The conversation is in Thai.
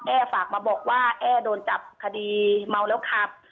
ฝากมาบอกว่าแอ้โดนจับคดีเมาแล้วขับ